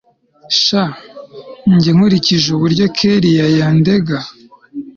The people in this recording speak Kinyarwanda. sha njye nkurikije uburyo kellia yendaga